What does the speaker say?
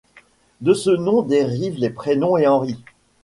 De ce nom dérivent les prénoms et Henri.